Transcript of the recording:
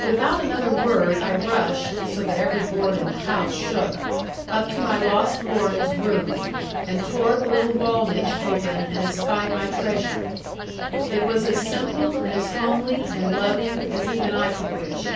Without another word I rushed (so that every board in the house shook) up to my lost Lorna's room, and tore the little wall niche open and espied my treasure. It was as simple, and as homely, and loving, as even I could wish.